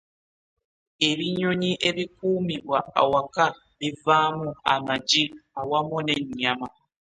Ebinnyonyi ebikuumibwa awaka bivaamu amagi awamu ne nnyama.